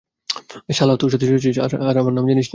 শালা তার সাথে শুয়েছিস, আর নাম জানিস না?